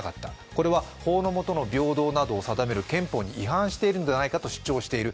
これは法の下の平等などを定める憲法に違反してるんじゃないかと主張している。